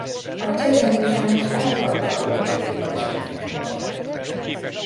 A csecsemő sajnos elkapta a kórt édesanyjától.